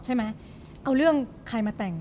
ใช่ไหมเอาเรื่องใครมาแต่ง